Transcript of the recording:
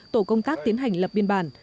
tổ công tác tiến hành lập biên bản